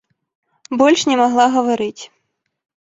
Больш не магла гаварыць.